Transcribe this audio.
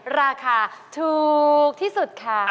ราคาถูกที่สุดค่ะ